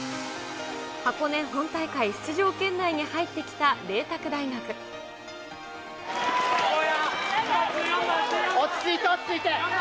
箱根本大会出場圏内に入って落ち着いて、落ち着いて。